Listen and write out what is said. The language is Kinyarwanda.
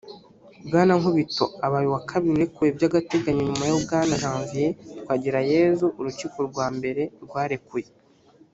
Bwana Nkubito abaye uwa kabiri urekuwe by’agateganyo nyuma ya Bwana Janvier Twagirayezu urukiko rwa mbere rwarekuye